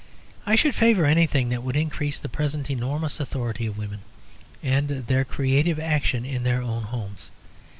I should favour anything that would increase the present enormous authority of women and their creative action in their own homes.